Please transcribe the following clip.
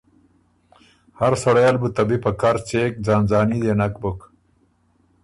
هر سړئ ل بُو ته بی په کر څېک، ځان ځاني دې نک بُک۔